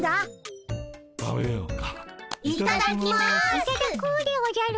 いただくでおじゃる。